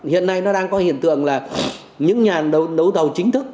hiện nay nó đang có hiện tượng là những nhà đấu thầu chính thức